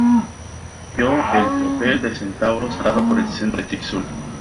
ya el tropel de centauros nadaba por el centro del Tixul